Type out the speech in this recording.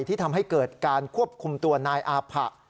ที่ทำให้เกิดการควบคุมตัวนายอาผะ